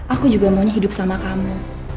aku juga maunya hidup sama kamu